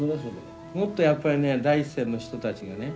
もっとやっぱりね第一線の人たちがね